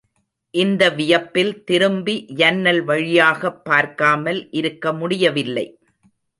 இந்த வியப்பில் திரும்பி ஜன்னல் வழியாகப் பார்க்காமல் இருக்க முடியவில்லை.